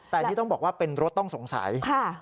แต่นี่ต้องบอกว่าเป็นรถต้องสงสัย